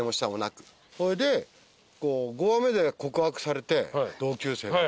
それで５話目で告白されて同級生だと。